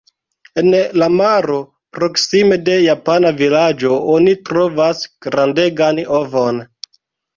En la maro, proksime de japana vilaĝo oni trovas grandegan ovon.